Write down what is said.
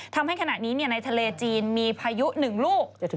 ทำให้ขณะนี้ในทะเลจีนมีพายุ๑ลูก